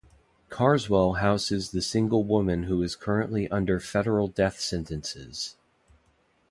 Carswell houses the single woman who is currently under federal death sentences.